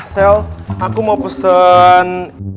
sel aku mau pesen